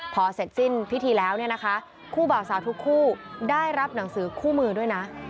พอเสร็จสิ้นพิธีแล้วเนี่ยนะคะคู่บ่าวสาวทุกคู่ได้รับหนังสือคู่มือด้วยนะ